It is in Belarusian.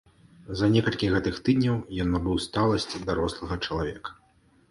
За некалькі гэтых тыдняў ён набыў сталасць дарослага чалавека.